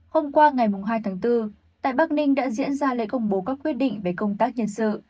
hôm qua ngày hai tháng bốn tại bắc ninh đã diễn ra lễ công bố các quyết định về công tác nhân sự